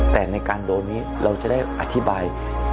แต่ในการโดนนี้เราจะได้อธิบาย